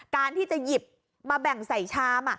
การที่จะหยิบมาแบ่งใส่ชาม